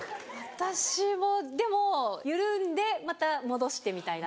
私もでも緩んでまた戻してみたいな。